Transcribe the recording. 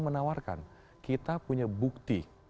menawarkan kita punya bukti